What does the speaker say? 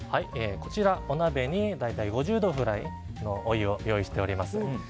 お鍋に大体５０度くらいのお湯を用意しております。